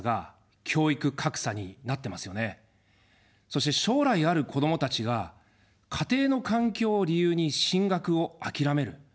そして将来ある子どもたちが、家庭の環境を理由に進学を諦める。